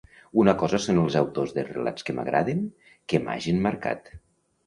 Una cosa són els autors de relats que m'agraden, que m'hagen marcat.